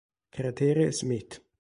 Cratere Smith